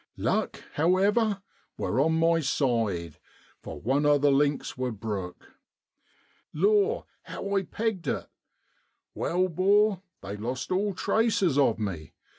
Luck, however, wor on my side, for one o' the links wor broke. Law ! how I pegged it ! Wai, 'bor, they lost all traces of me.